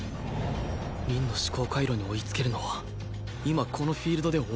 凛の思考回路に追いつけるのは今このフィールドで俺だけ